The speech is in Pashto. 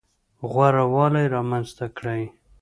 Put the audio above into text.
غوره والی رامنځته کړي.